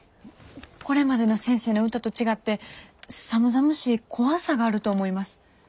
これまでの先生の歌と違って寒々しい怖さがあると思います。